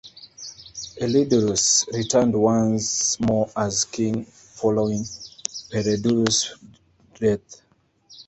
Elidurus returned once more as king following Peredurus's death.